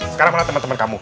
sekarang mana temen temen kamu